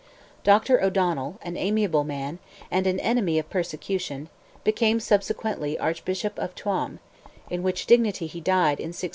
Dr. O'Donnell, an amiable man, and an enemy of persecution, became subsequently Archbishop of Tuam, in which dignity he died, in 1628.